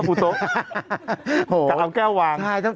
กะเอาแก้ววาง